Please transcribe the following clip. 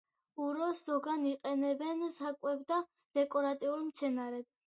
უროს ზოგან იყენებენ საკვებ და დეკორატიულ მცენარედ.